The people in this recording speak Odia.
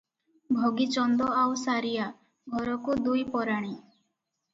ଭଗିଚନ୍ଦ ଆଉ ସାରିଆ, ଘରକୁ ଦୁଇ ପରାଣୀ ।